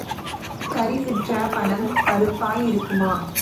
கரிவிற்ற பணம் கறுப்பாய் இருக்குமா?